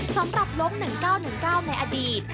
สำหรับลง๑๙๑๙ในอดีต